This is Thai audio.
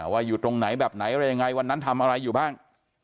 ว่าอยู่ตรงไหนแบบไหนอะไรยังไงวันนั้นทำอะไรอยู่บ้าง